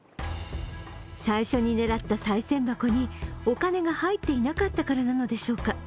最初に狙ったさい銭箱にお金が入っていなかったからなのでしょうか。